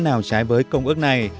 nào trái với công ước này